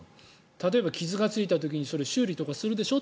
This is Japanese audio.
例えば傷がついた時に修理とかするでしょ？